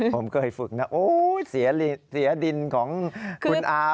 ผมเคยฝึกนะเสียดินของคุณอา